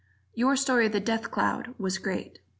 Your story "The Death Cloud" was great.